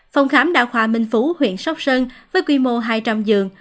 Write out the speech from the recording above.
phòng khám đa khoa minh phú huyện sóc sơn với quy mô hai trăm linh giường